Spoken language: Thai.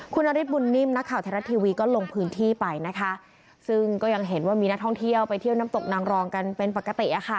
คุณนฤทธบุญนิ่มนักข่าวไทยรัฐทีวีก็ลงพื้นที่ไปนะคะซึ่งก็ยังเห็นว่ามีนักท่องเที่ยวไปเที่ยวน้ำตกนางรองกันเป็นปกติอะค่ะ